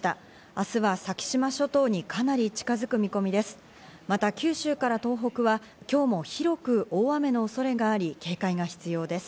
明日は先島諸島にかなり近づく見込みです。